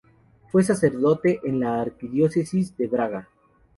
Fue sacerdote en la archidiócesis de Braga.